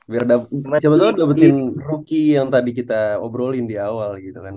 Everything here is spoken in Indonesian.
biar siapa siapa dapetin rookie yang tadi kita obrolin di awal gitu kan